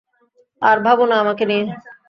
আর ভাবো না আমাকে নিয়ে।